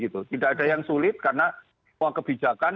tidak ada yang sulit karena semua kebijakan